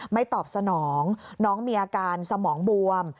ตอบสนองน้องมีอาการสมองบวม